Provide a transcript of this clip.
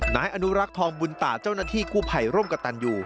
นายอนุรักษ์ทองบุญตาเจ้าหน้าที่กู้ภัยร่วมกับตันอยู่